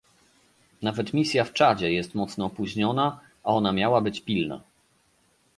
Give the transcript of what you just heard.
Nawet misja w Czadzie jest mocno opóźniona, a ona miała być "pilna"